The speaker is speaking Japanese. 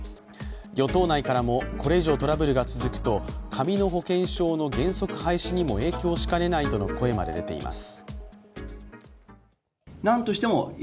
与党内からもこれ以上トラブルが続くと紙の保険証の原則廃止にも影響しかねないとの声まで出ています。